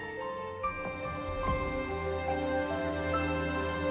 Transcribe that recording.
jangan lupa berikan uang untuk para pemain yang sudah berhasil menangkap mereka saat tampil